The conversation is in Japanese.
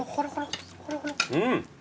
うん！